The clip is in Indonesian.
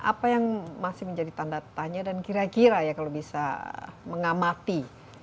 apa yang masih menjadi tanda tanya dan kira kira ya kalau bisa mengamati